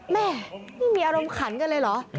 แม่นี่มีอารมณ์ขันกันเลยเหรอ